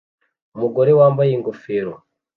Umugore wambaye ingofero